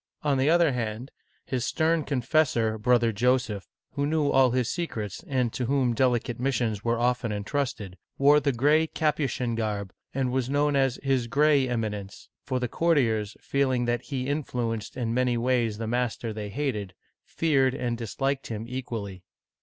On the other Digitized by VjOOQIC LOUIS XIII. (1610 1643) 309 hand, his stern confessor, Brother Joseph — who knew all his secrets, and to whom delicate missions were often in trusted — wore the gray Cap'uchin garb, and was known as " His Gray Eminence "; for the courtiers, feeling that he influenced in many ways the master they hated, feared and disliked him equally.